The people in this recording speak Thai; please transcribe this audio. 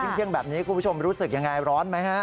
เที่ยงแบบนี้คุณผู้ชมรู้สึกยังไงร้อนไหมฮะ